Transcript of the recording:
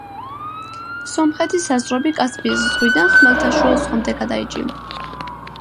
სომხეთის საზღვრები კასპიის ზღვიდან ხმელთაშუა ზღვამდე გადაიჭიმა.